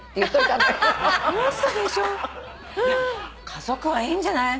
家族はいいんじゃない？